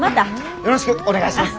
よろしくお願いします。